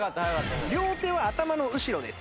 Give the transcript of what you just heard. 両手を頭の後ろです。